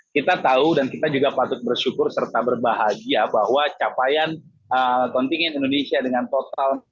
kita tahu dan kita juga patut bersyukur serta berbahagia bahwa capaian kontingen indonesia dengan total